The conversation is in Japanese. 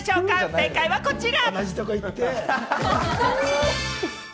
正解は、こちら。